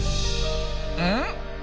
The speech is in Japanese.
うん？